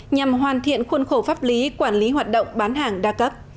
nhằm hoàn thiện khuôn khổ pháp lý quản lý hoạt động bán hàng đa cấp